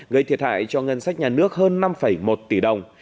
gây thiệt hại cho ngân sách nhà nước hơn năm một tỷ đồng